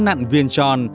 bột bánh nặn viên tròn